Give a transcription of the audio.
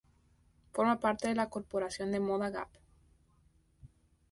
Forma parte de la corporación de moda Gap.